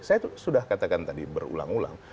saya sudah katakan tadi berulang ulang